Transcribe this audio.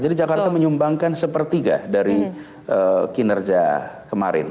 jadi jakarta menyumbangkan sepertiga dari kinerja kemarin